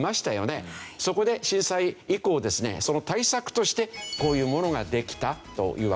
そこで震災以降ですねその対策としてこういうものができたというわけです。